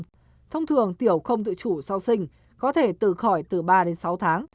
không thông thường tiểu không dự trù sau sinh có thể từ khỏi từ ba đến sáu tháng